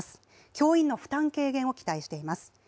教員の負担軽減を期待しています。